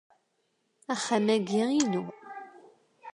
Axxam-agi inu.